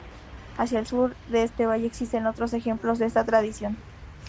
Hacia el sur de este valle existen otros ejemplos de esta tradición.